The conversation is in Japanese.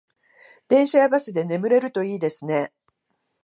電車やバスで眠れるといいですね